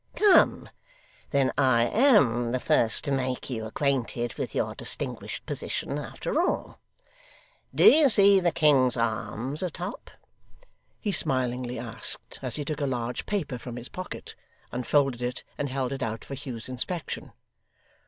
Come; then I AM the first to make you acquainted with your distinguished position, after all. Do you see the King's Arms a top?' he smilingly asked, as he took a large paper from his pocket, unfolded it, and held it out for Hugh's inspection.